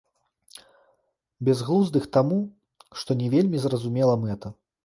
Бязглуздых таму, што не вельмі зразумела мэта.